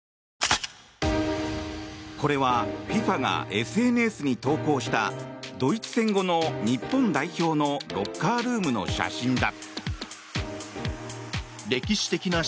これはＦＩＦＡがＳＮＳに投稿したドイツ戦後の日本代表のロッカールームの写真だ。